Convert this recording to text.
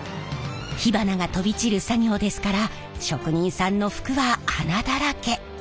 火花が飛び散る作業ですから職人さんの服は穴だらけ。